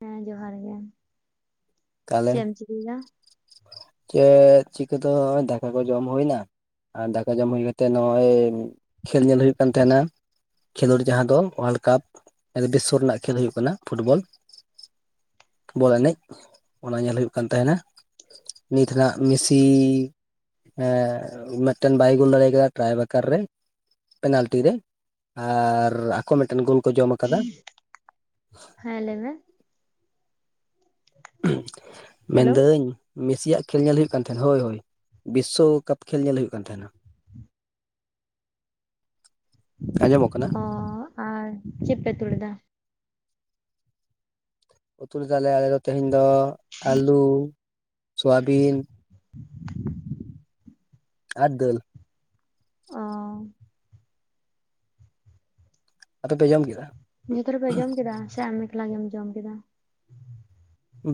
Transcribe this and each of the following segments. ᱦᱮᱸ ᱡᱚᱦᱟᱨ ᱜᱮ ᱛᱟᱦᱚᱞᱮ ᱪᱮᱫ ᱮᱢ ᱪᱤᱠᱟᱹᱭᱮᱫᱟ? ᱪᱮᱫ ᱪᱤᱠᱟᱹ ᱫᱚ ᱫᱟᱠᱟ ᱠᱚ ᱡᱚᱢ ᱦᱩᱭ ᱮᱱᱟ। ᱟᱨ ᱫᱟᱠᱟ ᱡᱚᱢ ᱦᱩᱭ ᱠᱟᱛᱮᱜ ᱱᱚᱜ ᱚᱭ ᱠᱷᱮᱞ ᱧᱮᱞ ᱦᱩᱭᱩᱜ ᱠᱟᱱ ᱛᱟᱦᱮᱱᱟ। ᱠᱷᱮᱞᱳᱰ ᱡᱟᱦᱟᱸ ᱫᱚ ᱚᱱᱟᱞᱮᱠᱟ ᱵᱤᱥᱥᱚ ᱨᱮᱱᱟᱜ ᱠᱷᱮᱞ ᱦᱩᱭᱩᱜ ᱠᱟᱱᱟ ᱯᱷᱩᱴᱵᱚᱞ। ᱵᱚᱞ ᱮᱱᱮᱡ ᱚᱱᱟ ᱧᱮᱞ ᱦᱩᱭᱩᱜ ᱠᱟᱱ ᱛᱟᱦᱮᱱᱟ ᱱᱤᱛ ᱱᱷᱟᱜ ᱢᱮᱥᱤ ᱼᱼ ᱦᱮᱸ ᱢᱤᱫᱴᱮᱱ ᱵᱟᱭ ᱜᱩᱞ ᱫᱟᱲᱮ ᱠᱟᱫᱟ ᱴᱨᱟᱭ ᱵᱟᱠᱟᱨ ᱨᱮ᱾ ᱯᱮᱱᱟᱞᱴᱤ ᱨᱮ ᱟᱨ ᱟᱠᱚ ᱢᱤᱫᱴᱮᱱ ᱜᱚᱞ ᱠᱚ ᱡᱚᱢᱟᱠᱟᱫᱟ। ᱦᱮᱸ ᱞᱟᱹᱭ ᱢᱮ᱾ ᱦᱮᱞᱳ ᱢᱮᱱᱫᱟᱹᱧ ᱢᱮᱥᱤᱭᱟᱜ ᱠᱷᱮᱞ ᱧᱮᱞ ᱦᱩᱭᱩᱜ ᱠᱟᱱ ᱛᱟᱦᱮᱱᱟ ᱦᱳᱭ ᱦᱳᱭ ᱵᱤᱥᱥᱚᱠᱟᱯ ᱠᱷᱮᱞ ᱧᱮᱞ ᱦᱩᱭᱩᱜ ᱠᱟᱱ ᱛᱟᱦᱮᱱᱟ। [inaudible] ᱟᱸᱡᱚᱢᱚᱜ ᱠᱟᱱᱟ? ᱚ ᱟᱨ ᱪᱮᱫ ᱯᱮ ᱩᱛᱩ ᱞᱮᱫᱟ? ᱩᱛᱩ ᱞᱮᱫᱟᱞᱮ ᱟᱞᱮᱫᱚ ᱛᱮᱦᱮᱧ ᱫᱚ ᱟᱹᱞᱩ ᱥᱚᱣᱟᱵᱤᱱ। ᱟᱨ ᱫᱟᱹᱞ। ᱚ ᱟᱯᱮ ᱯᱮ ᱡᱚᱢ ᱠᱮᱫᱟ? ᱡᱚᱛᱚ ᱦᱚᱲ ᱯᱮ ᱡᱚᱢ ᱠᱮᱫᱟ ᱥᱮ ᱟᱢ ᱢᱮᱠᱞᱟ ᱜᱮᱢ ᱡᱚᱢ ᱠᱮᱫᱟ?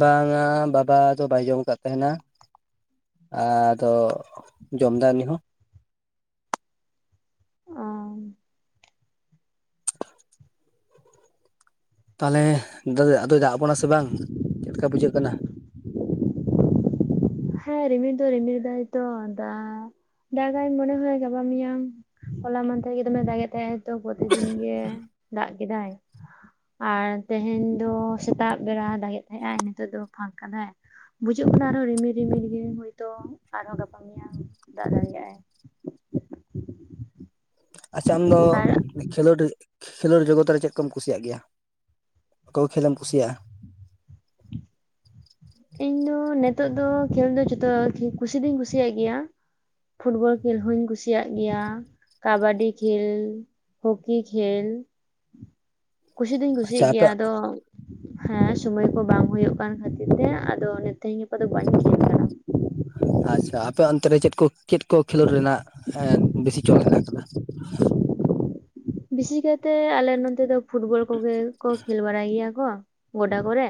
ᱵᱟᱝᱼᱟ ᱵᱟᱵᱟ ᱫᱚ ᱵᱟᱭ ᱡᱚᱢ ᱟᱠᱟᱫ ᱛᱟᱦᱮᱱᱟ᱾ ᱟᱫᱚ ᱡᱚᱢᱫᱟᱭ ᱩᱱᱤ ᱦᱚᱸ? ᱚ ᱛᱟᱦᱚᱞᱮ ᱫᱟᱫᱟ [unintelligible] ᱟᱫᱚᱭ ᱫᱟᱜ ᱟᱵᱚᱱᱟ ᱥᱮ ᱵᱟᱝ ᱪᱮᱫ ᱞᱮᱠᱟ ᱵᱩᱡᱷᱟᱹᱜ ᱠᱟᱱᱟ? ᱦᱮᱸ ᱨᱤᱢᱤᱞ ᱫᱚ ᱨᱤᱢᱤᱨ ᱫᱟᱭ ᱛᱚ ᱫᱟᱜ [inaudible] ᱫᱟᱜᱟᱭ ᱢᱚᱱᱮ ᱦᱚ ᱜᱟᱵᱟ [unintelligible] ᱢᱮᱭᱟᱝ ᱦᱚᱞᱟ ᱢᱟᱦᱟᱫᱮᱨ ᱜᱮ ᱫᱚᱢᱮ ᱫᱟᱜ ᱮ ᱛᱟᱦᱮᱸᱜᱼᱟ। ᱛᱚ ᱯᱨᱚᱛᱤᱫᱤᱱ ᱜᱮ ᱫᱟᱜ ᱠᱮᱫᱟᱭ? ᱟᱨ ᱛᱮᱦᱮᱧ ᱫᱚ ᱥᱮᱛᱟᱜ ᱵᱮᱲᱟ ᱫᱟᱜᱮᱫ ᱛᱟᱦᱮᱸᱫ ᱟᱭ ᱱᱤᱛᱚᱜ ᱫᱚ ᱯᱷᱟᱸᱠ ᱠᱟᱫᱟᱭ। ᱵᱩᱡᱩᱜ ᱠᱟᱱᱟ ᱟᱨᱦᱚᱸ ᱨᱤᱢᱤᱞ ᱨᱤᱢᱤᱞ ᱜᱮ ᱦᱳᱭᱛᱳ ᱟᱨᱦᱚᱸ ᱜᱟᱯᱟ ᱢᱮᱭᱟᱝ ᱫᱟᱜ ᱫᱟᱲᱮᱭᱟᱜ ᱟᱭ ᱟᱪᱪᱷᱟ ᱟᱢ ᱫᱚ ᱟᱨ ᱠᱷᱮᱞᱳᱰᱤᱜ [unintelligible] ᱠᱷᱮᱞᱳᱰ ᱡᱚᱜᱚᱛ ᱨᱮ ᱪᱮᱫ ᱠᱚᱢ ᱠᱩᱥᱤᱭᱟᱜ ᱜᱮᱭᱟ ᱚᱠᱟᱠᱚ ᱠᱷᱮᱞ ᱮᱢ ᱠᱩᱥᱤᱭᱟᱜᱼᱟ? ᱤᱧ ᱫᱚ ᱱᱤᱛᱚᱜ ᱫᱚ ᱠᱷᱮᱞ ᱫᱚ ᱡᱚᱛᱚ ᱠᱷᱮᱞ ᱠᱩᱥᱤ ᱫᱚᱧ ᱠᱩᱥᱤᱭᱟᱜ ᱜᱮᱭᱟ। ᱯᱷᱩᱴᱵᱚᱞ ᱠᱷᱮᱞ ᱦᱚᱧ ᱠᱩᱥᱤᱭᱟᱜ ᱜᱮᱭᱟ᱾ ᱠᱟᱵᱟᱰᱤ ᱠᱷᱮᱞ ᱦᱚᱠᱤ ᱠᱷᱮᱞ᱾ ᱠᱩᱥᱤ ᱫᱚᱩᱧ ᱟᱪᱪᱷᱟ ᱠᱩᱥᱤᱭᱟᱜ ᱟᱯᱮ ᱜᱮᱭᱟ ᱟᱫᱚ ᱦᱮᱸ ᱥᱩᱢᱚᱭ ᱠᱚ ᱵᱟᱝ ᱦᱩᱭᱩᱜ ᱠᱟᱱ ᱠᱷᱟᱹᱛᱤᱨ ᱼᱼ ᱛᱮ ᱦᱟᱸᱜ ᱟᱫᱚ ᱚᱱᱮ ᱛᱮᱦᱮᱧ ᱜᱟᱯᱟ ᱫᱚ ᱵᱟᱹᱧ ᱠᱷᱮᱞ ᱠᱟᱱᱟ। ᱟᱪᱪᱷᱟ ᱟᱯᱮ ᱚᱱᱛᱮ ᱨᱮ ᱪᱮᱫ ᱠᱚ ᱪᱮᱫ ᱠᱚ ᱠᱷᱮᱞᱳᱰ ᱨᱮᱱᱟᱜ ᱮᱸ ᱵᱮᱥᱤ ᱪᱚᱞ ᱦᱮᱱᱟᱜ ᱟᱠᱟᱫᱟ? ᱵᱤᱥᱮᱥ ᱠᱟᱭᱛᱮ ᱟᱞᱮ ᱱᱚᱛᱮ ᱫᱚ ᱯᱷᱩᱴᱵᱚᱞ ᱠᱚᱜᱮ ᱠᱚ ᱠᱷᱮᱞ ᱵᱟᱲᱟᱭ ᱜᱮᱭᱟ। [unintelligible] ᱜᱚᱰᱟ ᱠᱚᱨᱮ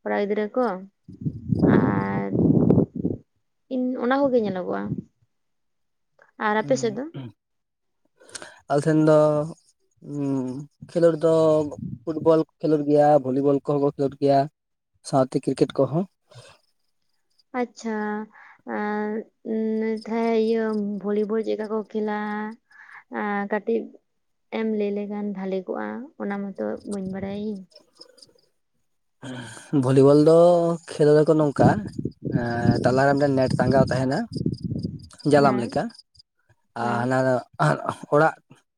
ᱠᱚᱲᱟ ᱜᱤᱫᱽᱨᱟᱹ ᱠᱚ ᱟᱨ ᱼᱼ ᱤᱱ [unintelligible] ᱚᱱᱟ ᱠᱚᱜᱮ ᱧᱮᱞᱚᱜᱚᱜᱼᱟ। ᱟᱨ ᱟᱯᱮ ᱥᱮᱫ ᱫᱚ ᱟᱞᱮ ᱥᱮᱱ ᱫᱚ ᱠᱷᱮᱞᱳᱰ ᱫᱚ ᱯᱷᱩᱴᱵᱚᱞ ᱠᱚ ᱠᱷᱮᱞᱳᱰ ᱜᱮᱭᱟ ᱵᱷᱚᱞᱤᱵᱚᱞ ᱠᱚᱦᱚᱸ ᱠᱚ ᱠᱷᱮᱞᱳᱰ ᱜᱮᱭᱟ ᱾ ᱥᱟᱶᱛᱮ ᱠᱨᱤᱠᱮᱴ ᱠᱚᱦᱚᱸ ᱾ ᱟᱪᱪᱷᱟ ᱾ ᱟᱨ ᱤᱭᱟᱹ ᱵᱷᱚᱞᱤᱵᱚᱞ ᱪᱮᱼᱠᱟ ᱠᱚ ᱠᱷᱮᱞᱟ? ᱠᱟᱹᱴᱤᱡ ᱮᱢ ᱞᱟᱹᱭ ᱞᱮᱠᱷᱟᱱ ᱵᱷᱟᱞᱤ ᱠᱚᱜᱼᱟ ᱚᱱᱟ ᱢᱚᱛᱚ ᱵᱟᱹᱧ ᱵᱟᱲᱟᱭ ᱤᱧ ᱾ ᱵᱷᱚᱞᱤᱵᱚᱞ ᱫᱚ ᱠᱷᱮᱞ ᱟᱠᱚ ᱱᱚᱝᱠᱟ ᱟᱨ ᱛᱟᱞᱟ ᱨᱮ ᱱᱮᱴ ᱴᱟᱸᱜᱟᱣ ᱛᱟᱦᱮᱱᱟ ᱡᱟᱞᱟᱢ ᱦᱮᱸ ᱞᱮᱠᱟ ᱟᱨ ᱦᱮᱸ ᱦᱟᱱᱟ ᱫᱚ ᱟᱨ ᱚᱲᱟᱜ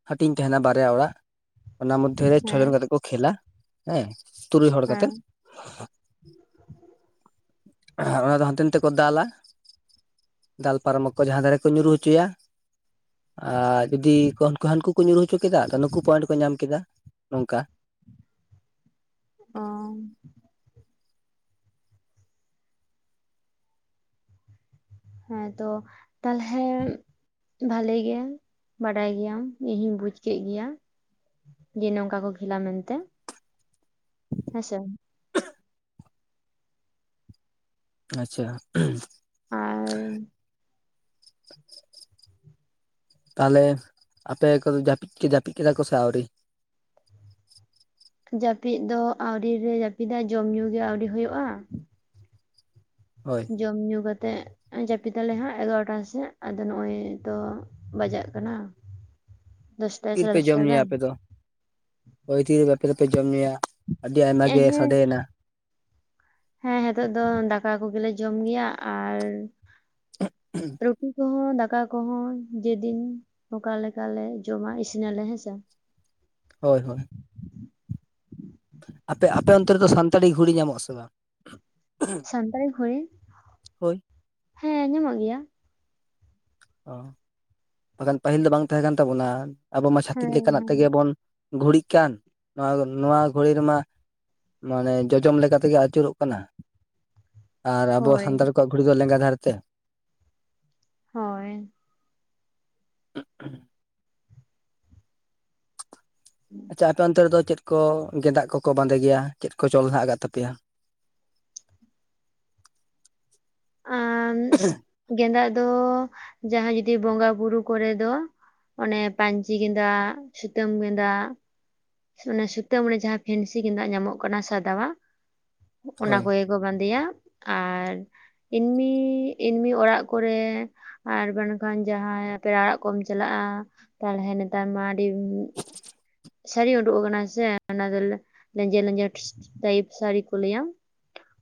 ᱦᱟᱹᱴᱤᱧ ᱛᱟᱦᱮᱱᱟ ᱵᱟᱨᱭᱟ ᱚᱲᱟᱜ ᱚᱱᱟ ᱢᱚᱫᱽᱫᱷᱮ ᱨᱮ ᱦᱮᱸ ᱪᱷᱚᱡᱚᱱ ᱠᱟᱛᱮ ᱠᱚ ᱠᱷᱮᱞᱟ ᱦᱮᱸ ᱛᱩᱨᱩᱭ ᱦᱚᱲ ᱠᱟᱛᱮ ᱦᱮᱸ ᱾ ᱚᱱᱟ ᱫᱚ ᱦᱟᱱᱛᱮ ᱱᱟᱛᱮ ᱠᱚ ᱫᱟᱞᱟ। ᱫᱟᱞ ᱯᱟᱨᱚᱢᱚᱜ ᱠᱚ ᱡᱟᱦᱟᱸ ᱫᱷᱟᱨᱮ ᱠᱚ ᱧᱩᱨᱩ ᱦᱚᱪᱚᱭᱟ᱾ ᱟᱨ ᱡᱩᱫᱤ ᱦᱟᱹᱱᱠᱩ ᱠᱚ ᱧᱩᱨᱩ ᱦᱚᱪᱚ ᱠᱮᱫᱟ ᱛᱚ ᱱᱩᱠᱩ ᱯᱚᱭᱮᱱᱴ ᱠᱚ ᱧᱟᱢ ᱠᱮᱫᱟ ᱾ ᱱᱚᱝᱠᱟ ᱾ ᱚ ᱾ ᱦᱮᱸ ᱛᱚ ᱛᱟᱦᱚᱞᱮ ᱵᱷᱟᱹᱞᱤ ᱜᱮ ᱵᱟᱰᱟᱭ ᱜᱮᱭᱟᱢ ᱤᱧ ᱦᱚᱧ ᱵᱩᱡ ᱠᱮᱫ ᱜᱮᱭᱟ ᱾ ᱡᱮ ᱱᱚᱝᱠᱟ ᱠᱚ ᱠᱷᱞᱟ ᱢᱮᱱᱛᱮ ᱾ ᱦᱮᱸᱥᱮ ᱾ ᱟᱪᱪᱷᱟ ᱾ ᱦ [inaudible] ᱛᱟᱦᱚᱞᱮ ᱟᱯᱮ ᱠᱚᱫᱚ ᱡᱟᱹᱯᱤᱫ ᱜᱮ ᱡᱟᱹᱯᱤᱫ ᱠᱮᱫᱟ ᱠᱚ ᱥᱮ ᱟᱹᱣᱨᱤ? ᱡᱟᱹᱯᱤᱫ ᱫᱚ ᱟᱹᱲᱨᱤ ᱞᱮ ᱡᱟᱯᱤᱫᱟ ᱡᱚᱢ ᱧᱩ ᱜᱮ ᱟᱣᱲᱤ ᱦᱩᱭᱩᱜᱼᱟ ᱾ ᱦᱳᱭ ᱡᱚᱢ ᱧᱩ ᱠᱟᱛᱮ ᱡᱟᱹᱯᱤᱫ ᱫᱟᱞᱮ ᱦᱟᱸᱜ ᱮᱜᱟᱨᱚᱴᱟ ᱥᱮᱫ ᱟᱫᱚ ᱱᱚᱜᱼᱚᱭ ᱛᱚ ᱵᱟᱡᱟᱜ ᱠᱟᱱᱟ ᱾ ᱫᱚᱥ ᱛᱤᱨᱮᱯᱮ ᱡᱚᱢ ᱧᱩᱭᱟ ᱟᱯᱮ ᱫᱚ? ᱦᱳᱭ ᱛᱤ ᱨᱮ ᱟᱯᱮ ᱫᱚᱯᱮ ᱡᱚᱢ ᱧᱩᱭᱟ ᱟᱹᱰᱤ ᱟᱭᱢᱟ ᱮᱸ ᱜᱮ ᱦᱮᱸ ᱥᱟᱰᱮᱭᱮᱱᱟ ᱾ ᱦᱮᱸ ᱱᱤᱛᱚᱜ ᱫᱚ ᱫᱟᱠᱟ ᱠᱚᱜᱮ ᱞᱮ ᱡᱚᱢ ᱜᱮᱭᱟ ᱟᱨ ᱨᱩᱴᱤ ᱠᱚᱦᱚᱸ ᱫᱟᱠᱟ ᱟ ᱠᱚᱦᱚᱸ ᱡᱮᱫᱤᱱ ᱚᱠᱟ ᱞᱮᱠᱟᱞᱮ ᱡᱚᱢᱟ ᱤᱥᱤᱱ ᱟᱞᱮ ᱦᱮᱸᱥᱮ ᱦᱳᱭ ᱦᱳᱭ ᱾ ᱟᱯᱮ ᱟᱯᱮ ᱚᱱᱛᱮ ᱨᱮᱫᱚ ᱥᱟᱱᱛᱟᱲᱤ ᱜᱷᱩᱲᱤ ᱧᱟᱢᱚᱜ ᱟᱥᱮ ᱵᱟᱝ? ᱥᱟᱱᱛᱟᱲᱤ ᱜᱷᱚᱲᱤ ᱦᱳᱭ ᱦᱮᱸ ᱧᱟᱢᱚᱜ ᱜᱮᱭᱟ ᱾ ᱚ ᱾ ᱵᱟᱠᱷᱟᱡ ᱯᱟᱹᱦᱤᱞ ᱫᱚ ᱵᱟᱝ ᱛᱟᱦᱮᱸ ᱠᱟᱱ ᱛᱟᱵᱚᱱᱟ ᱾ ᱟᱵᱚ ᱢᱟ ᱪᱷᱟᱹᱛᱤᱠ ᱦᱮᱸ ᱞᱮᱠᱟᱱᱟᱜ ᱦᱮᱸ ᱛᱮᱜᱮ ᱵᱚᱱ ᱜᱷᱩᱲᱤᱜ ᱠᱟᱱ ᱱᱚᱣᱟ ᱱᱚᱣᱟ ᱜᱷᱩᱲᱤ ᱨᱮᱢᱟ ᱢᱟᱱᱮ ᱡᱚᱡᱚᱢ ᱞᱮᱠᱟ ᱞᱮᱠᱟ ᱛᱮᱜᱮ ᱟᱹᱪᱩᱨᱚᱜ ᱠᱟᱱᱟ ᱾ ᱟᱨ ᱟᱵᱚ ᱦᱳᱭ ᱥᱟᱱᱛᱟᱲ ᱠᱚᱣᱟᱜ ᱜᱷᱩᱲᱤ ᱫᱚ ᱞᱮᱸᱜᱟ ᱫᱷᱟᱨᱮ ᱛᱮ ᱾ ᱦᱳᱭ ᱾ ᱦ [inaudible] ᱟᱪᱪᱷᱟ ᱟᱯᱮ ᱚᱱᱛᱮ ᱨᱮᱫᱚ ᱪᱮᱫ ᱠᱚ ᱜᱸᱮᱫᱟᱜ ᱠᱚᱠᱚ ᱵᱟᱸᱫᱮ ᱜᱮᱭᱟ ᱪᱮᱫ ᱠᱚ ᱪᱚᱞ ᱦᱮᱱᱟᱜ ᱟᱠᱟᱫ ᱛᱟᱯᱮᱭᱟ? ᱟᱨ ᱜᱮᱸᱫᱟᱜ ᱫᱚ ᱡᱟᱦᱟᱸ ᱡᱩᱫᱤ ᱵᱚᱸᱜᱟ ᱵᱩᱨᱩ ᱠᱚᱨᱮ ᱫᱚ ᱾ ᱚᱱᱮ ᱯᱟᱹᱧᱪᱤ ᱜᱮᱸᱫᱟᱜ ᱥᱩᱛᱟᱹᱢ ᱜᱮᱸᱫᱟᱜ ᱚᱱᱮ ᱥᱩᱛᱟᱹᱢ ᱨᱮ ᱡᱟᱦᱟᱸ ᱯᱷᱮᱱᱥᱤ ᱜᱮᱸᱫᱟᱜ ᱧᱟᱢᱚᱜ ᱠᱟᱱᱟ ᱥᱟᱫᱟᱣᱟᱜ ᱚᱱᱟ ᱦᱳᱭ ᱠᱚᱜᱮ ᱠᱚ ᱵᱟᱸᱫᱮᱭᱟ ᱟᱨ ᱮᱱᱢᱤ ᱮᱱᱢᱤ ᱚᱲᱟᱜ ᱠᱚᱨᱮ ᱟᱨ ᱵᱟᱝᱠᱷᱟᱱ ᱡᱟᱦᱟᱸᱟᱭ ᱯᱮᱲᱟ ᱟᱲᱟᱜ ᱠᱚᱢ ᱪᱟᱞᱟᱜᱼᱟ ᱛᱟᱦᱞᱮ ᱱᱮᱛᱟᱨ ᱢᱟ ᱟᱹᱰᱤ [inaudible] ᱥᱟᱹᱲᱤ ᱩᱰᱩᱠ ᱟᱠᱟᱱᱟ ᱥᱮ ᱚᱱᱟ ᱫᱚ ᱞᱮᱸᱡᱮᱨ ᱞᱮᱸᱡᱮᱨ ᱴᱟᱭᱤᱯ ᱥᱟᱹᱲᱤ ᱠᱚ ᱞᱟᱹᱭᱟ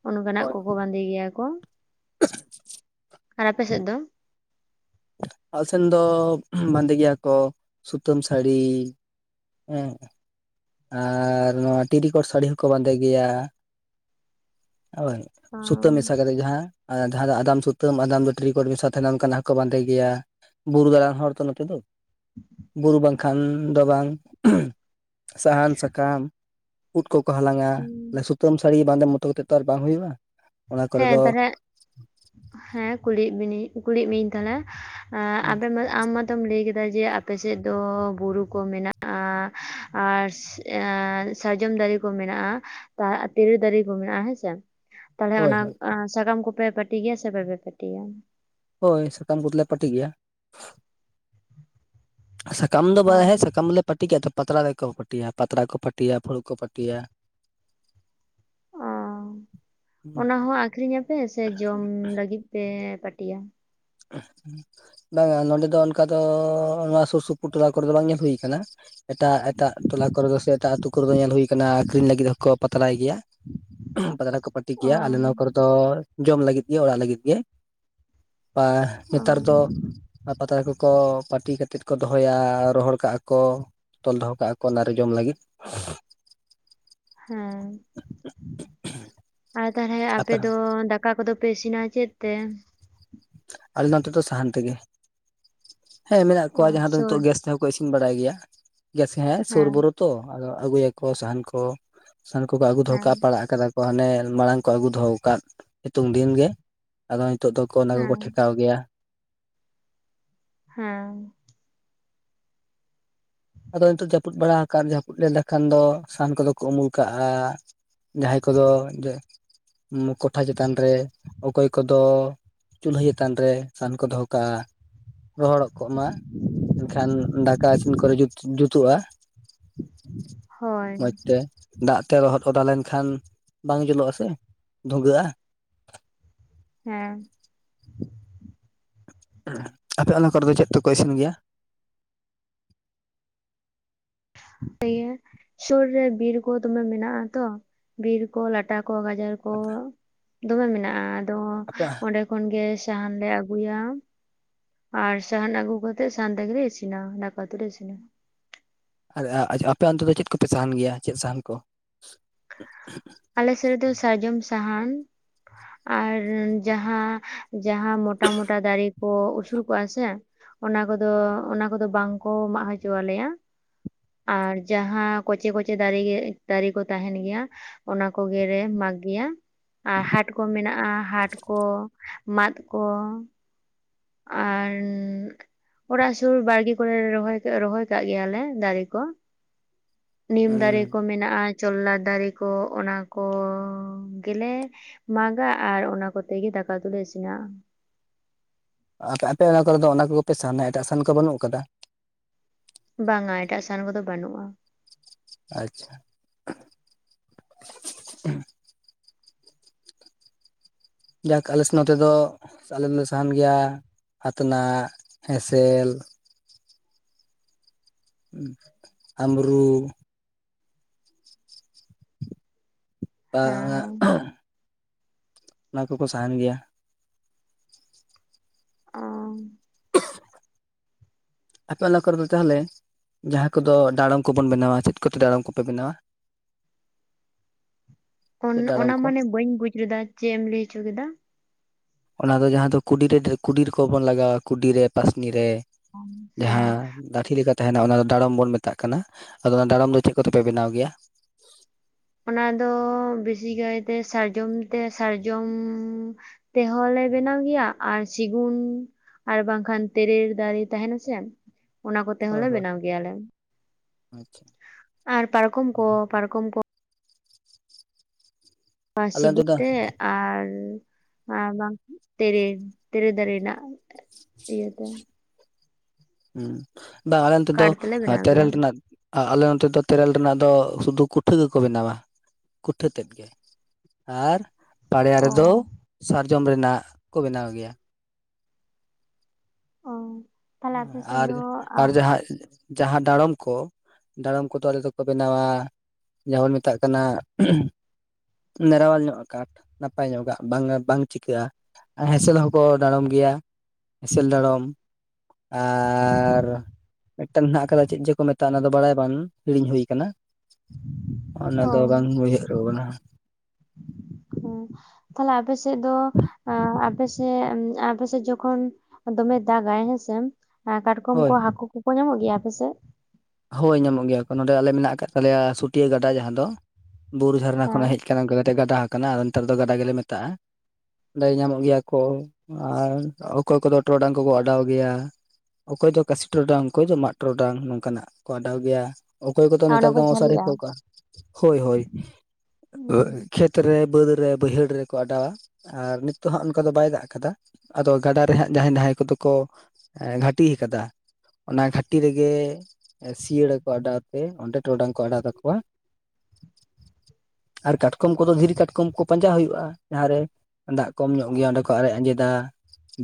ᱚᱱᱠᱟᱱᱟᱜ ᱦᱳᱭ ᱠᱚᱠᱚ ᱵᱟᱸᱫᱮ ᱜᱮᱭᱟ ᱠᱚ ᱾ ᱟᱨ ᱟᱯᱮ ᱥᱮᱫ ᱫᱚ ᱟᱞ ᱥᱮᱱ ᱫᱚ ᱵᱟᱸᱫᱮ ᱜᱮᱭᱟ ᱠᱚ ᱥᱩᱛᱟᱹᱢ ᱥᱟᱹᱲᱤ ᱦᱮᱸ ᱟᱨ ᱱᱚᱣᱟ ᱴᱨᱤᱠᱚᱳᱴ ᱥᱟᱹᱲᱤ ᱦᱚᱸᱠᱚ ᱵᱟᱸᱫᱮ ᱜᱮᱭᱟ ᱦᱳᱭ ᱥᱩᱛᱟᱹᱢ ᱢᱮᱥᱟ ᱠᱟᱛᱮ ᱡᱟᱦᱟᱸ ᱡᱟᱦᱟᱸ ᱟᱫᱟᱢ ᱥᱩᱛᱟᱹᱢ ᱛᱩᱟᱹᱢ ᱟᱫᱢ ᱫᱚ ᱴᱨᱤᱠᱚᱴ ᱢᱮᱥᱟ ᱛᱟᱦᱮᱢ ᱠᱟᱱᱟ ᱦᱚᱸᱠᱚ ᱵᱟᱸᱫᱮ ᱜᱮᱭᱟ ᱵᱩᱨᱩ ᱫᱟᱬᱟᱱ ᱦᱚᱲ ᱛᱚ ᱱᱚᱛᱮ ᱫᱚ ᱵᱩᱨᱩ ᱵᱟᱝᱠᱷᱟᱱ ᱫᱚ ᱵᱟᱝ ᱥᱟᱦᱟᱱ ᱥᱟᱠᱟᱢ ᱩᱫ ᱠᱚᱠᱚ ᱦᱟᱞᱟᱝᱟ ᱞᱚᱥᱚᱛ ᱥᱩᱛᱟᱹᱢ ᱥᱟᱹᱲᱤᱮ ᱵᱟᱸᱫᱮ ᱢᱚᱴᱚ ᱜᱮᱛᱚ ᱫᱚ ᱟᱨ ᱵᱟᱝ ᱦᱩᱭᱩᱜᱼᱟ ᱚᱱᱟ ᱠᱚᱨᱮ ᱦᱮᱸ ᱫᱚ ᱛᱟᱞᱦᱮ ᱦᱮᱸ ᱠᱩᱞᱤᱭᱮᱫ ᱠᱩᱞᱤᱭᱮᱫ ᱢᱤᱭᱟᱹᱧ ᱛᱟᱦᱚᱞᱮ ᱦᱮᱸ ᱟᱵᱮᱱ ᱟᱢ ᱢᱟᱛᱚᱢ ᱞᱟᱹᱭ ᱠᱮᱫᱟ ᱡᱮ ᱟᱯᱮ ᱥᱮᱫ ᱫᱚ ᱵᱩᱨᱩ ᱠᱚ ᱢᱮᱱᱟᱜᱼᱟ ᱟᱨ ᱮ ᱥᱟᱨᱡᱚᱢ ᱫᱟᱨᱮ ᱠᱚ ᱢᱮᱱᱟᱜᱼᱟ ᱛᱤᱨᱤᱞ ᱫᱟᱨᱮ ᱠᱚ ᱢᱮᱱᱟᱜᱼᱟ ᱦᱮᱸᱥᱮ ᱛᱟᱦᱚᱞᱮ ᱦᱳᱭ ᱚᱱᱟ ᱦᱳᱭ ᱥᱟᱠᱟᱢ ᱠᱚᱯᱮ ᱯᱟᱟᱹᱴᱤ ᱜᱮᱭᱟ ᱥᱮ ᱵᱟᱯᱮ ᱯᱟᱟᱹᱴᱤᱭᱟ ᱦᱳᱭ ᱥᱟᱠᱟᱢ ᱠᱚᱫᱞᱮ ᱯᱟᱹᱴᱤ ᱜᱮᱭᱟ ᱥᱟᱠᱟᱢ ᱫᱚ ᱚ ᱵᱟᱦᱮ ᱥᱟᱠᱟᱢᱞᱮ ᱯᱟᱹᱴᱤ ᱠᱟᱛᱮ ᱯᱟᱛᱲᱟ ᱨᱮ ᱯᱟᱹᱴᱤᱭᱟ ᱯᱟᱛᱲᱟ ᱠᱚ ᱯᱟᱹᱴᱤᱭᱟ ᱯᱷᱩᱲᱩᱜ ᱠᱚ ᱯᱟᱹᱴᱤᱭᱟ ᱚ ᱚᱱᱟ ᱦᱚᱸ ᱟᱠᱷᱨᱤᱧᱟᱯᱮ ᱥᱮ ᱡᱚᱢ ᱞᱟᱹᱜᱤᱫ ᱯᱮ ᱯᱟᱹᱴᱤᱭᱟ ᱵᱟᱝᱼᱟ ᱱᱚᱰᱮ ᱫᱚ ᱚᱱᱠᱟ ᱫᱚ ᱱᱚᱣᱟ ᱥᱩᱨ ᱥᱩᱯᱩᱨ ᱴᱚᱞᱟ ᱠᱚᱨᱮ ᱫᱚ ᱵᱟᱝ ᱧᱮᱞ ᱦᱩᱭᱩ ᱠᱟᱱᱟ ᱮᱴᱟᱜ ᱮᱴᱟᱜ ᱴᱚᱞᱟ ᱠᱚᱨᱮ ᱫᱚ ᱥᱮ ᱮᱴᱟᱜ ᱟᱹᱛᱩ ᱠᱚᱨᱮ ᱫᱚ ᱧᱮᱞ ᱦᱩᱭ ᱟᱠᱟᱱᱟ ᱟᱠᱷᱨᱤᱧ ᱞᱟᱹᱜᱤᱫ ᱫᱚ ᱠᱚ ᱯᱟᱛᱲᱟᱭ ᱜᱮᱭᱟ ᱯᱟᱛᱲᱟ ᱠᱚ ᱯᱟᱟᱹᱴᱤ ᱚ ᱜᱮᱭᱟ ᱟᱞᱮ ᱱᱚᱣᱟ ᱠᱚᱨᱮ ᱫᱚ ᱡᱚᱢ ᱞᱟᱹᱜᱤᱫ ᱜᱮ ᱚᱲᱟᱜ ᱞᱟᱹᱜᱤᱫ ᱜᱮ ᱵᱟ ᱚ ᱱᱮᱛᱟᱨ ᱫᱚ ᱟᱨ ᱯᱟᱛᱟ ᱠᱚᱠᱚ ᱯᱟᱹᱴᱤ ᱠᱟᱛᱮᱫ ᱠᱚ ᱫᱚᱦᱚᱭᱟ ᱨᱚᱦᱚᱲ ᱠᱟᱜᱼᱟ ᱠᱚ ᱛᱚᱞ ᱫᱚᱦᱚ ᱠᱟᱜᱼᱟ ᱠᱚ ᱚᱱᱟᱨᱮ ᱡᱚᱢ ᱞᱟᱹᱜᱤᱫ ᱦᱮᱸ ᱟᱨ ᱛᱟᱦᱚᱞᱮ ᱟᱯᱮ ᱫᱚ ᱫᱟ ᱚᱠᱟ ᱠᱚᱫᱚ ᱯᱮ ᱤᱥᱤᱱᱟ ᱪᱮᱫ ᱛᱮ ᱟᱞᱮ ᱱᱚᱛᱮ ᱫᱚ ᱥᱟᱦᱟᱱ ᱛᱮᱜᱮ ᱦᱮᱸ ᱢᱮᱱᱟᱜ ᱠᱚᱣᱟ ᱡᱟᱦᱟᱸ ᱫᱚ ᱥᱩᱨ ᱱᱤᱛᱚᱜ ᱜᱮᱥ ᱛᱮᱦᱚᱸ ᱠᱚ ᱤᱥᱤᱱ ᱵᱟᱲᱟᱭ ᱜᱮᱭᱟ ᱜᱮᱥ ᱦᱮᱸ ᱥᱩᱨᱵᱩᱨᱩ ᱛᱚ ᱟᱫᱚ ᱟᱹᱜᱩᱭᱟᱠᱚ ᱥᱟᱦᱟᱱ ᱠᱚ ᱥᱟᱦᱟᱱ ᱠᱚᱠᱚ ᱟᱹᱜᱩ ᱫᱚᱦᱚ ᱦᱮᱸ ᱠᱟᱜᱼᱟ ᱯᱟᱲᱟᱜ ᱠᱟᱫᱟ ᱠᱚ ᱦᱟᱱᱮ ᱢᱟᱲᱟᱝ ᱠᱚ ᱟᱹᱜᱩ ᱫᱚᱦᱚ ᱟᱠᱟᱫ ᱥᱤᱛᱩᱝ ᱫᱤᱱ ᱜᱮ ᱟᱫᱚ ᱱᱤᱛᱚᱜ ᱫᱚ ᱚᱱᱟ ᱠᱚᱠᱚ ᱦᱮᱸ ᱴᱷᱮᱠᱟᱣ ᱜᱮᱭᱟ ᱦᱮᱸ ᱟᱫᱚ ᱱᱤᱛᱚᱜ ᱡᱟᱹᱯᱩᱫ ᱵᱟᱲᱟ ᱟᱠᱟᱫ ᱡᱟᱹᱯᱩᱫ ᱞᱮ ᱞᱮᱠᱷᱟᱱ ᱫᱚ ᱥᱟᱦᱟᱱ ᱠᱚᱫᱚ ᱠᱚ ᱩᱢᱩᱞ ᱠᱟᱜᱼᱟ ᱡᱟᱦᱟᱸᱭ ᱠᱚᱫᱚ ᱠᱚᱴᱷᱟ ᱪᱮᱛᱟᱱ ᱨᱮ ᱚᱠᱚᱭ ᱠᱚᱫᱚ ᱪᱩᱞᱦᱟᱹ ᱪᱮᱛᱟᱱ ᱨᱮ ᱥᱟᱦᱟᱱ ᱠᱚ ᱫᱚᱦᱚ ᱠᱟᱜᱼᱟ ᱨᱚᱦᱚᱲᱚᱜ ᱠᱚᱜ ᱢᱟ ᱮᱱᱠᱷᱟᱱ ᱫᱟᱠᱟ ᱤᱥᱤᱱ ᱠᱚᱨᱮ ᱡᱩᱛ ᱡᱩᱛᱩᱜᱼᱟ ᱢᱚᱡᱽ ᱦᱳᱭ ᱛᱮ ᱫᱟᱜ ᱛᱮ ᱞᱚᱦᱚᱫ ᱚᱫᱟ ᱞᱮᱱᱠᱷᱟᱱ ᱵᱟᱝ ᱡᱩᱞᱩᱜᱼᱟᱜ ᱥᱮ ᱫᱷᱩᱸᱣᱟᱹᱜᱼᱟ ᱦᱮᱸ ᱟᱯᱮ ᱚᱱᱟ ᱠᱚᱨᱮ ᱫᱚ ᱪᱮᱫ ᱛᱮᱠᱚ ᱤᱥᱤᱱ ᱜᱮᱭᱟ ᱤᱭᱟᱹ ᱥᱩᱨ ᱨᱮ ᱵᱤᱨ ᱠᱚ ᱫᱚᱢᱮ ᱢᱮᱱᱟᱜ ᱟᱛᱚ ᱵᱤᱨ ᱠᱚ ᱞᱟᱴᱟ ᱠᱚ ᱜᱟᱡᱟᱨ ᱠᱚ ᱦᱟᱯᱮ ᱫᱚᱢᱮ ᱢᱮᱱᱟᱜᱼᱟ ᱟᱫᱚ ᱚᱸᱰᱮ ᱠᱷᱚᱱᱜᱮ ᱥᱟᱦᱟᱱ ᱞᱮ ᱟᱹᱜᱩᱭᱟ ᱟᱨ ᱥᱟᱦᱟᱱ ᱟᱹᱜᱩ ᱠᱟᱛᱮᱜ ᱥᱟᱦᱟᱱ ᱛᱮᱜᱞᱮ ᱤᱥᱤᱱᱟ ᱫᱟᱠᱟ ᱩᱛᱩᱞᱮ ᱤᱥᱤᱱᱟ ᱟᱨ ᱟᱯᱮ ᱚᱱᱛᱮ ᱫᱚ ᱪᱮᱫ ᱠᱚᱯᱮ ᱥᱟᱦᱟᱱ ᱜᱮᱭᱟ ᱪᱮᱫ ᱥᱟᱦᱟᱱ ᱠᱚ ᱟᱞᱮ ᱥᱮᱫ ᱨᱮ ᱫᱚ ᱥᱟᱨᱡᱚᱢ ᱥᱟᱦᱟᱱ ᱟᱨ ᱡᱟᱦᱟᱸ ᱡᱟᱦᱟᱸ ᱢᱚᱴᱟ ᱢᱚᱴᱟ ᱫᱟᱨᱮ ᱠᱚ ᱩᱥᱩᱞ ᱠᱚᱜᱼᱟ ᱥᱮ ᱚᱱᱟ ᱠᱚᱫᱚ, ᱚᱱᱟ ᱠᱚᱫᱚ ᱵᱟᱝᱠᱚ ᱢᱟᱜ ᱦᱚᱪᱚᱣᱟᱞᱮᱭᱟ ᱟᱨ ᱡᱟᱦᱟᱸ ᱠᱚᱪᱮ ᱠᱚᱪᱮ ᱫᱟᱨᱮ ᱜᱮ ᱫᱟᱨᱮ ᱠᱚ ᱛᱟᱦᱮᱱ ᱜᱮᱭᱟ ᱚᱱᱟ ᱠᱚᱜᱮᱞᱮ ᱢᱟᱜᱽ ᱜᱮᱭᱟ ᱟᱨ ᱦᱟᱴ ᱠᱚ ᱢᱮᱱᱟᱜᱼᱟ ᱦᱟᱴ ᱠᱚ ᱢᱟᱫ ᱠᱚ ᱟᱨ ᱚᱲᱟᱜ ᱥᱩᱨ ᱵᱟᱲᱜᱮ ᱠᱚᱨᱮ ᱞᱮ ᱨᱚᱦᱚᱭ ᱠᱮᱜ ᱨᱚᱦᱚᱭ ᱠᱟᱜ ᱜᱮᱭᱟᱞᱮ ᱫᱟᱨᱮ ᱠᱚ ᱱᱤᱢ ᱫᱟᱨᱮ ᱦᱩᱸ ᱠᱚ ᱢᱮᱱᱟᱜᱼᱟ ᱪᱚᱞᱞᱟ ᱫᱟᱨᱮ ᱠᱚ ᱚᱱᱟ ᱠᱚᱻ ᱜᱮᱞᱮ ᱢᱟᱜᱟ ᱟᱨ ᱚᱱᱟ ᱠᱚᱛᱮ ᱜᱮ ᱫᱟᱠᱟ ᱫᱚᱞᱮ ᱤᱥᱤᱱᱟ ᱟᱯᱮ ᱟᱯᱮ ᱚᱱᱟ ᱠᱚᱨᱮ ᱫᱚ ᱚᱱᱟ ᱠᱚᱜᱮᱯᱮ ᱥᱟᱱᱟ ᱮᱴᱟᱜ ᱥᱟᱦᱟᱱ ᱠᱚ ᱵᱟᱹᱱᱩᱜ ᱟᱠᱟᱫᱟ ᱵᱟᱝᱟ ᱮᱴᱟᱜ ᱥᱟᱦᱟᱱ ᱠᱚᱫᱚ ᱵᱟᱹᱱᱩᱜᱼᱟ ᱟᱪᱪᱷᱟ ᱡᱟᱠ ᱟᱞᱮ ᱥᱮ ᱱᱚᱛᱮ ᱫᱚ ᱟᱞᱮ ᱫᱚᱞᱮ ᱥᱟᱦᱟᱱ ᱜᱮᱭᱟ ᱟᱛᱱᱟᱜ, ᱦᱮᱸᱥᱮᱞ ᱟᱢᱨᱩ ᱦᱮᱸ [unintelligible] ᱚᱱᱟ ᱠᱚᱠᱚ ᱥᱟᱦᱟᱱ ᱜᱮᱭᱟ ᱟᱯᱮ ᱮᱞᱟᱠᱟ ᱨᱮᱫᱚ ᱛᱟᱦᱚᱞᱮ ᱡᱟᱦᱟᱸᱭ ᱠᱚᱫᱚ ᱰᱟᱟᱲᱚᱢ ᱠᱚᱵᱚᱱ ᱵᱮᱱᱟᱣᱟ ᱪᱮᱫ ᱠᱚᱛᱮ ᱰᱟᱟᱲᱟᱢ ᱠᱚᱯᱮ ᱵᱮᱱᱟᱣᱟ [inaudible] ᱚᱱ ᱪᱮᱫ ᱰᱟᱲᱚᱢ ᱚᱱᱟ ᱠᱚ? ᱢᱟᱱᱮ ᱵᱟᱹᱧ ᱵᱩᱡ ᱞᱮᱫᱟ ᱪᱮᱫ ᱮᱢ ᱞᱟᱹᱭ ᱦᱚᱪᱚ ᱠᱮᱫᱟ ᱚᱱᱟ ᱫᱚ ᱡᱟᱦᱟᱸ ᱫᱚ ᱠᱩᱰᱤᱨᱮ ᱠᱩᱰᱤ ᱨᱮ ᱠᱚ ᱵᱚᱱ ᱞᱟᱜᱟᱣᱟ ᱠᱩᱰᱤᱨᱮ ᱯᱟᱥᱱᱤ ᱨᱮ ᱡᱟᱦᱟᱸ ᱦᱮᱸ ᱞᱟᱹᱴᱷᱤ ᱞᱮᱠᱟᱛᱮ ᱛᱟᱸᱦᱮᱱᱟ ᱚᱱᱟ ᱫᱚ ᱰᱟᱲᱚᱢ ᱵᱚᱱ ᱢᱮᱛᱟᱜ ᱠᱟᱱᱟ ᱟᱫᱚ ᱚᱱᱟ ᱰᱟᱲᱚᱢ ᱫᱚ ᱪᱮᱫ ᱠᱚᱛᱮᱯᱮ ᱵᱮᱱᱟᱣ ᱜᱮᱭᱟ ᱚᱱᱟ ᱫᱚ ᱵᱤᱥᱤ ᱠᱟᱭᱛᱮ ᱥᱟᱨᱡᱚᱢ ᱛᱮ ᱥᱟᱨᱡᱚᱢ ᱛᱮᱦᱚᱸ ᱞᱮ ᱵᱮᱱᱟᱣ ᱜᱮᱭᱟ ᱟᱨ ᱥᱮᱜᱩᱱ ᱟᱨ ᱵᱟᱝᱠᱷᱟᱱ ᱛᱮᱞᱮᱨ ᱫᱟᱨᱮ ᱛᱟᱸᱦᱮᱱᱟ ᱥᱮ ᱚᱱᱟ ᱠᱚᱛᱮ ᱦᱚᱸᱞᱮ ᱦᱳᱭ ᱦᱳᱭ ᱵᱮᱱᱟᱣ ᱜᱮᱭᱟᱞᱮ ᱟᱪᱪᱷᱟ ᱟᱨ ᱯᱟᱨᱠᱚᱢ ᱠᱚ, ᱯᱟᱨᱠᱚᱢ ᱠᱚ ᱵᱟᱥᱤ ᱟᱞᱮ ᱚᱱᱛᱮ ᱫᱚ ᱜᱩᱛᱮ ᱟᱨ ᱱᱚᱣᱟ ᱵᱟᱝ ᱛᱮᱨᱮᱞ, ᱛᱮᱨᱮᱞ ᱫᱟᱨᱮ ᱨᱮᱱᱟᱜ ᱤᱭᱟᱹ ᱛᱮ ᱦᱩᱸ, ᱵᱟ ᱟᱞᱮ ᱚᱱᱛᱮ ᱫᱚ ᱠᱟᱴ ᱛᱮᱞᱮ ᱵᱮᱱᱟᱣ ᱜᱮᱭᱟ ᱛᱮᱨᱮᱞ ᱨᱮᱱᱟᱜ ᱟᱻ ᱟᱞᱮ ᱚᱱᱛᱮ ᱫᱚ ᱛᱮᱨᱮᱞ ᱨᱮᱱᱟᱜ ᱫᱚ ᱥᱩᱫᱷᱩ ᱠᱩᱴᱷᱮᱹ ᱜᱮᱠᱚ ᱵᱮᱱᱟᱣᱟ ᱠᱩᱴᱷᱮᱹ ᱛᱮᱫ ᱜᱮ ᱟᱨ ᱚ ᱯᱟᱰᱭᱟᱨᱮ ᱫᱚ ᱥᱟᱨᱡᱚᱢ ᱨᱮᱱᱟᱜ ᱠᱚ ᱵᱮᱱᱟᱣ ᱜᱮᱭᱟ ᱚ ᱛᱟᱦᱞᱮ ᱟᱯᱮ ᱥᱮᱫ ᱟᱨ ᱫᱚ ᱟᱨ ᱡᱟᱦᱟᱸᱭ ᱡᱟᱦᱟᱸ ᱰᱟᱲᱚᱢ ᱠᱚ ᱰᱟᱲᱚᱢ ᱠᱚᱫᱚ ᱟᱞᱮ ᱫᱚᱠᱚ ᱵᱮᱱᱟᱣᱟ ᱡᱟᱦᱟᱸᱭ ᱢᱮᱛᱟᱜ ᱠᱟᱱᱟ ᱢᱟᱨᱟᱣ ᱧᱚᱜ-ᱟᱜ ᱠᱟᱴᱷ ᱱᱟᱯᱟᱭ ᱧᱚᱜᱟᱜ ᱵᱟᱝ, ᱵᱟᱝ ᱪᱤᱠᱟᱹᱜᱼᱟ ᱟᱨ ᱦᱮᱸᱥᱮᱞ ᱦᱚᱸᱠᱚ ᱰᱟᱲᱚᱢ ᱜᱮᱭᱟ, ᱦᱮᱸᱥᱮᱞ ᱰᱟᱲᱚᱢ ᱟᱨᱻ ᱢᱤᱫᱴᱟᱝ ᱦᱮᱱᱟᱜ ᱠᱟᱫᱟ ᱪᱮᱫ ᱡᱮ ᱠᱚ ᱢᱮᱛᱟᱜᱼᱟ ᱚᱱᱟ ᱫᱚ ᱵᱟᱲᱟᱭ ᱵᱟᱝ ᱦᱤᱲᱤᱧ ᱦᱩᱭ ᱠᱟᱱᱟ ᱚᱱᱟ ᱫᱚ ᱚ ᱵᱟᱝ ᱩᱭᱦᱟᱹᱨᱚᱜ ᱠᱟᱱᱟ ᱦᱩᱸ ᱛᱟᱦᱞᱮ ᱟᱯᱮ ᱥᱮᱫ ᱫᱚ ᱟᱯᱮ ᱥᱮᱫ, ‌‌ ᱮᱸᱻ ᱟᱯᱮᱥᱮᱫ ᱡᱚᱠᱷᱚᱱ ᱫᱚᱢᱮ ᱫᱟᱜᱟᱭ ᱦᱮᱸᱥᱮ ᱠᱟᱴᱠᱚᱢ ᱠᱚ ᱦᱳᱭ ᱦᱟᱹᱠᱩ ᱠᱚᱠᱚ ᱧᱟᱢᱚᱜ ᱜᱮᱭᱟ ᱟᱯᱮ ᱥᱮᱫ ᱦᱳᱭ ᱧᱟᱢᱚᱜ ᱜᱮᱭᱟ ᱠᱚ, ᱱᱚᱸᱰᱮ ᱟᱞᱮ ᱢᱮᱱᱟᱜ ᱠᱟᱜ ᱛᱟᱞᱮᱭᱟ ᱥᱩᱴᱤᱭᱟᱹ ᱜᱟᱰᱟ ᱡᱟᱦᱟᱸ ᱫᱚ ᱵᱩᱨᱩ ᱡᱷᱟᱨᱱᱟ ᱦᱮᱸ ᱠᱷᱚᱱᱟᱜ ᱦᱮᱡ ᱮᱱᱠᱷᱟᱱ ᱚᱝᱠᱟ ᱠᱟᱛᱮ ᱜᱟᱰᱟ ᱦᱟᱠᱟᱱᱟ ᱟᱨ ᱱᱮᱛᱟᱨ ᱫᱚ ᱜᱟᱰᱟ ᱜᱮᱞᱮ ᱢᱮᱛᱟᱜᱼᱟ ᱞᱟᱹᱭ ᱧᱟᱢᱚᱜ ᱜᱮᱭᱟ ᱠᱚ ᱟᱨ ᱚᱠᱚᱭ ᱠᱚᱫᱚ ᱴᱚᱨᱚᱰᱟᱝ ᱠᱚᱠᱚ ᱚᱰᱟᱣ ᱜᱮᱭᱟ ᱚᱠᱚᱭ ᱫᱚ ᱠᱟᱥᱤ ᱴᱚᱨᱚᱰᱟᱝ ᱚᱠᱚᱭ ᱫᱚ ᱢᱟᱫ ᱴᱚᱨᱚᱰᱟᱝ ᱱᱚᱝᱠᱟᱱᱟᱜ ᱠᱚ ᱟᱰᱟᱣ ᱜᱮᱭᱟ ᱚᱠᱚᱭ ᱠᱚᱫᱚ ᱟᱨ ᱚᱱᱟ ᱱᱮᱛᱟᱨ ᱠᱚ ᱫᱚ ᱢᱚᱥᱟᱨᱤ ᱡᱷᱟᱹᱞᱤᱜᱼᱟ [unintelligible] ᱦᱳᱭ ᱦᱳᱭ ᱠᱷᱮᱛ ᱨᱮ ᱵᱟᱹᱫᱽ ᱨᱮ ᱵᱟᱹᱭᱦᱟᱹᱲ ᱨᱮᱠᱚ ᱚᱰᱟᱣᱟ ᱟᱨ ᱱᱤᱛᱚᱜ ᱦᱟᱸᱜ ᱚᱱᱠᱟ ᱫᱚ ᱵᱟᱭ ᱫᱟᱜ ᱠᱟᱫᱟ ᱟᱫᱚ ᱜᱟᱰᱟ ᱨᱮ ᱦᱟᱸᱜ ᱡᱟᱦᱟᱸᱭ ᱱᱟᱭ ᱠᱚᱫᱚ ᱠᱚ ᱜᱷᱟᱹᱴᱤ ᱠᱟᱫᱟ ᱚᱱᱟ ᱜᱷᱟᱹᱴᱤ ᱨᱮᱜᱮ ᱥᱤᱭᱟᱹᱲᱟ ᱠᱚ ᱚᱰᱟᱣ ᱯᱮ ᱚᱸᱰᱮ ᱴᱚᱨᱚᱰᱟᱝ ᱠᱚ ᱚᱰᱟᱣ ᱛᱟᱠᱚᱣᱟ [inaudible] ᱟᱨ ᱠᱟᱴᱠᱚᱢ ᱠᱚᱫᱚ ᱫᱷᱤᱨᱤ ᱠᱟᱴᱠᱚᱢ ᱠᱚ ᱯᱟᱸᱡᱟ ᱦᱩᱭᱩᱜᱼᱟ ᱡᱟᱦᱟᱸᱨᱮ ᱫᱟᱜ ᱠᱚᱢ ᱧᱚᱜ ᱜᱮᱭᱟ ᱚᱸᱰᱮ ᱠᱚ ᱟᱨᱮᱡ ᱟᱸᱡᱮᱫᱟ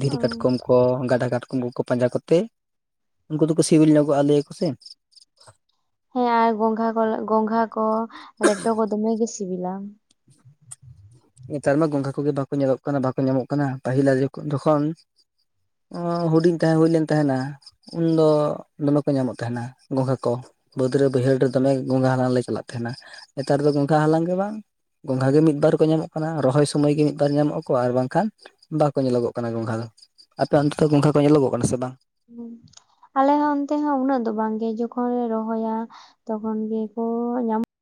ᱫᱷᱤᱨᱤ ᱠᱟᱴᱠᱚᱢ ᱠᱚ ᱜᱟᱰᱟ ᱠᱟᱴᱠᱚᱢ ᱠᱚᱠᱚ ᱯᱟᱸᱡᱟ ᱠᱚᱛᱮ ᱩᱱᱠᱩ ᱫᱚᱠᱚ ᱥᱤᱵᱤᱞ ᱧᱚᱜᱚᱜᱼᱟ ᱞᱟᱹᱭᱟ ᱠᱚ ᱠᱩᱥᱤᱢ ᱦᱮᱸ ᱟᱨ ᱜᱚᱝᱜᱷᱟ ᱠᱚ ᱜᱚᱝᱜᱷᱟ ᱠᱚ ᱞᱮᱴᱚ ᱠᱚ ᱫᱚᱢᱮ ᱜᱮ ᱥᱤᱵᱤᱞᱟ ᱱᱮᱛᱟᱨ ᱢᱟ ᱜᱚᱸᱜᱷᱟ ᱠᱚᱜᱮ ᱵᱟᱠᱚ ᱧᱮᱞᱚᱜ ᱠᱟᱱᱟ ᱵᱟᱠᱚ ᱧᱟᱢᱚᱜ ᱠᱟᱱᱟ ᱯᱟᱹᱦᱤᱞ ᱡᱚᱠᱷᱚᱱ ᱦᱩᱰᱤᱧ ᱛᱟᱦᱮᱸ ᱦᱩᱭ ᱞᱮᱱ ᱛᱟᱦᱮᱱᱟ ᱩᱱᱫᱚ ᱫᱚᱢᱮ ᱠᱚ ᱧᱟᱢᱚᱜ ᱛᱟᱦᱮᱱᱟ ᱜᱚᱸᱝᱜᱷᱟ ᱠᱚ ᱵᱟᱹᱫᱽ ᱨᱮ ᱵᱟᱹᱭᱦᱟᱹᱲ ᱨᱮ ᱫᱚᱢᱮ ᱜᱚᱸᱝᱜᱷᱟ ᱦᱟᱞᱟᱝ ᱞᱮ ᱪᱟᱞᱟᱜ ᱛᱟᱦᱮᱱᱟ ᱱᱮᱛᱟᱨ ᱫᱚ ᱜᱚᱸᱝᱜᱷᱟ ᱦᱟᱞᱟᱝ ᱜᱮ ᱵᱟᱝ ᱜᱚᱝᱜᱷᱟ ᱜᱮ ᱢᱤᱫ ᱵᱟᱨ ᱠᱚ ᱧᱟᱢᱚᱜ ᱚᱱᱟ ᱨᱚᱦᱚᱭ ᱥᱚᱢᱚᱭ ᱜᱮ ᱢᱤᱫ ᱵᱟᱨ ᱧᱟᱢᱚᱜ ᱟᱠᱚ ᱟᱨ ᱵᱟᱝᱠᱷᱟᱱ ᱵᱟᱠᱚ ᱧᱮᱞᱚᱜᱚᱜ ᱠᱟᱱᱟ ᱜᱚᱝᱜᱷᱟ ᱫᱚ ᱟᱯᱮ ᱚᱱᱛᱮ ᱫᱚ ᱜᱚᱝᱜᱷᱟ ᱠᱚ ᱧᱮᱞᱚᱜ ᱠᱟᱱᱟ ᱥᱮ ᱵᱟᱝ ᱦᱩᱸ ᱟᱞᱮ ᱦᱚᱸ ᱚᱱᱛᱮ ᱦᱚᱸ ᱩᱱᱟᱹᱜ ᱫᱚ ᱵᱟᱝᱜᱮ ᱡᱚᱠᱷᱚᱱ ᱞᱮ ᱨᱚᱦᱚᱭᱟ ᱛᱚᱠᱷᱚᱱ ᱜᱮᱠᱚ ᱧᱟᱢᱚᱜ